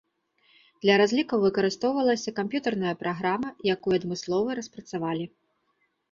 Для разлікаў выкарыстоўвалася камп'ютарная праграма, якую адмыслова распрацавалі.